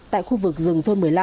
tại khu vực rừng thôn một mươi năm